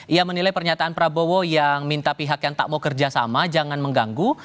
ia menilai pernyataan prabowo yang minta pihak yang tak mau kerjasama jangan mengganggu